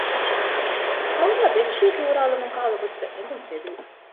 ހައުލާ ބެޑްޝީޓް ހޫރާލަމުން ކަހަލަ ގޮތަކަށް އެނދުން ތެދުވި